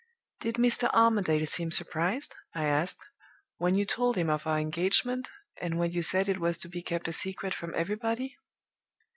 "'Did Mr. Armadale seem surprised,' I asked, 'when you told him of our engagement, and when you said it was to be kept a secret from everybody?